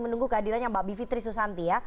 menunggu kehadirannya mbak bivitri susanti ya